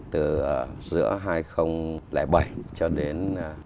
từ giữa hai nghìn bảy cho đến hai nghìn một mươi bốn